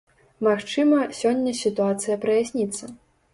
Магчыма, сёння сітуацыя праясніцца.